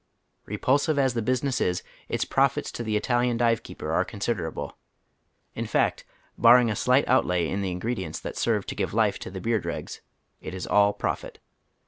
Repulsive as the business is, its profits to the Italian dive keeper are considerable ; in fact, barring a slight outlay in the ingredients that serve to give " life " to the beer dregs, it is all pi ofit.